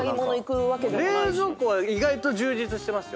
冷蔵庫は意外と充実してますよ。